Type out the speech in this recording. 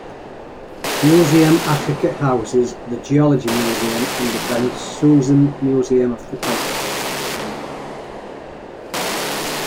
Museum Africa houses The Geology Museum and the Bensusan Museum of Photography.